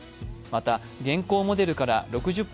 また、現行モデルから６０％